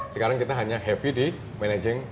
sekarang kita hanya heavy di managing aset saja